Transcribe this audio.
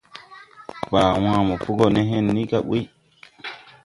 Baa wãã mo po go ne hen ni ga ɓuy.